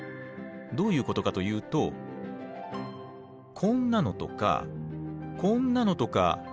どういうことかというとこんなのとかこんなのとか見たことありません？